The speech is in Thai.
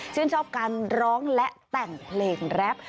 ชอบการร้องและแต่งเพลงแรป